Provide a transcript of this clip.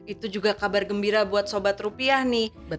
itu juga kabar gembira buat sobat rupiah nih